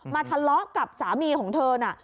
ทะเลาะกับสามีของเธอน่ะ